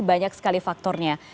banyak sekali faktornya